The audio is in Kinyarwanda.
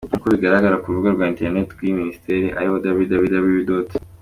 Nk’uko bigaragara ku rubuga rwa internet rw’iyi minisiteri arirwo www.